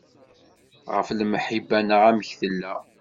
Ɣef lemḥibba neɣ amek tella.